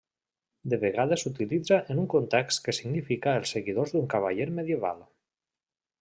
De vegades s'utilitza en un context que significa els seguidors d'un cavaller medieval.